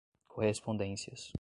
correspondências